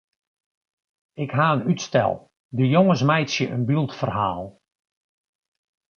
Ik ha in útstel: de jonges meitsje in byldferhaal.